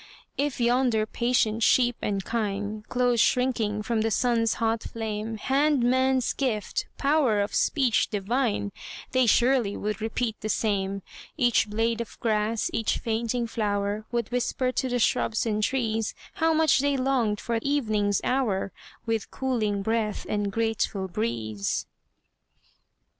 If yonder patient sheep and kine, Close shrinking from the sun's hot flame, Had man's gift "power of speech divine," They surely would repeat the same Each blade of grass, each fainting flower, Would whisper to the shrubs and trees, How much they longed for evening's hour, With cooling breath and grateful breeze.